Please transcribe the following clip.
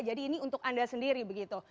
jadi ini untuk anda sendiri begitu